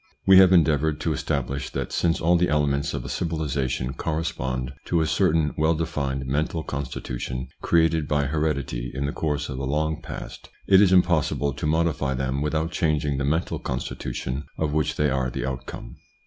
We have endeavoured to establish, that since all the elements of a civili sation correspond to a certain well defined mental constitution created by heredity in the course of a long past, it is impossible to modify them without changing the mental constitution of which they are the outcome.